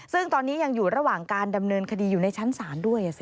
ซึ่งตอนนี้ยังอยู่ระหว่างการดำเนินคดีอยู่ในชั้นศาลด้วย